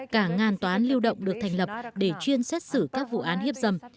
cả ngàn tòa án lưu động được thành lập để chuyên xét xử các vụ án hiếp dâm